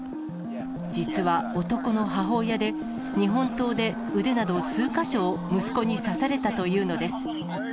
実は男の母親で、日本刀で腕など数か所を息子に刺されたというのです。